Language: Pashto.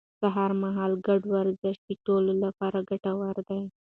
سهار مهال ګډ ورزش د ټولو لپاره ګټور دی